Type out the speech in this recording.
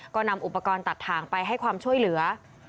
ก็นำอุปกรณ์ตัดถ่างไปให้ความช่วยเหลือ